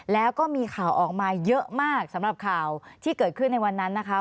แล้วก็มีข่าวออกมาเยอะมากสำหรับข่าวที่เกิดขึ้นในวันนั้นนะคะ